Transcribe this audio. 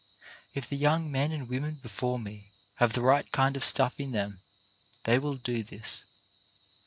If the young men and women before me have the right kind of stuff in them they will do this.